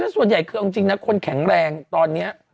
ส่วนใหญ่คือเอาจริงนะคนแข็งแรงตอนนี้